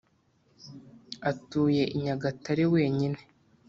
atuye i nyagatare wenyine